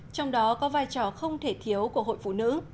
trong đó có vai trò không thể thiếu của hội phụ nữ